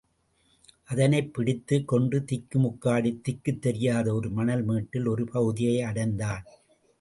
அதனைப் பிடித்துக் கொண்டு திக்கு முக்காடித் திக்குத் தெரியாத ஒரு மணல் மேட்டில் ஒரு பகுதியை அடைந்தான்.